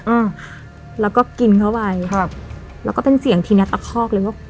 อืมแล้วก็กินเข้าไปครับแล้วก็เป็นเสียงทีเนี้ยตะคอกเลยว่า